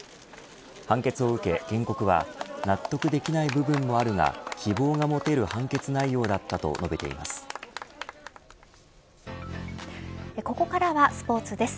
判決を受け原告は納得できない部分もあるが希望が持てる判決内容だったここからはスポーツです。